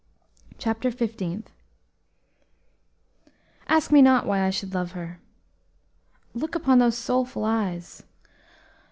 CHAPTER FIFTEENTH "Ask me not why I should love her; Look upon those soulful eyes!